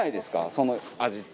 その味って。